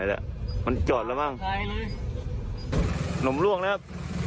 อันเนี้ยมันจอดแล้วบ้างไงเลยหนมร่วงนะครับ